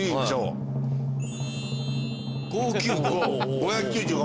５９５。